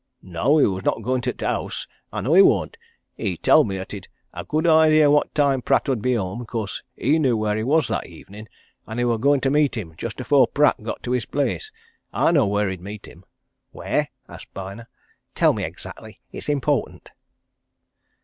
"No! He were not goin' to t' house. I know he worn't. He tell'd me 'at he'd a good idea what time Pratt 'ud be home, 'cause he knew where he was that evening and he were goin' to meet him just afore Pratt got to his place. I know where he'd meet him." "Where?" asked Byner. "Tell me exactly. It's important."